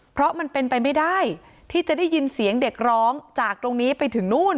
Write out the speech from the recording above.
เพราะมันเป็นไปไม่ได้ที่จะได้ยินเสียงเด็กร้องจากตรงนี้ไปถึงนู่น